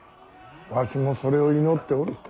わしもそれを祈っておる。